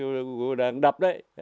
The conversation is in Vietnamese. lựu đạn đập đấy